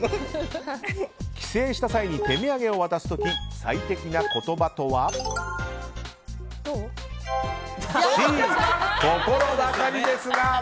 帰省した際に手土産を渡す時最適な言葉とはＣ、心ばかりですが。